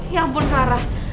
ya ampun clara